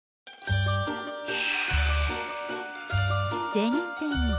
銭天堂。